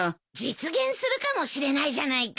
実現するかもしれないじゃないか。